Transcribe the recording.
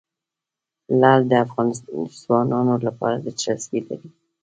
لعل د افغان ځوانانو لپاره دلچسپي لري.